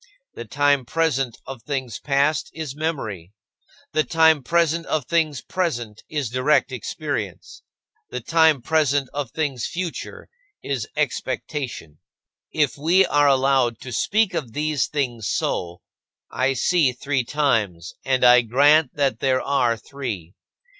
The time present of things past is memory; the time present of things present is direct experience; the time present of things future is expectation. If we are allowed to speak of these things so, I see three times, and I grant that there are three.